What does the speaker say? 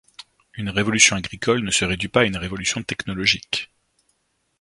Une révolution agricole ne se réduit pas à une révolution technologique.